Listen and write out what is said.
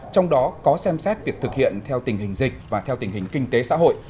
trong đó có xem xét việc thực hiện theo tình hình dịch và theo tình hình kinh tế xã hội